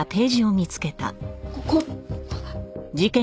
ここ！